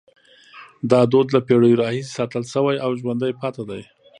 دا دود له پیړیو راهیسې ساتل شوی او ژوندی پاتې دی.